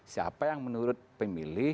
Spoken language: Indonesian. siapa yang menurut pemilih